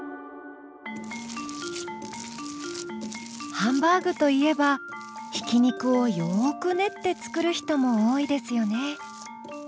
ハンバーグといえばひき肉をよく練って作る人も多いですよね。